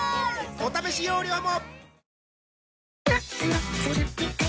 お試し容量も